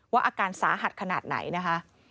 อาการสาหัสขนาดไหนนะคะ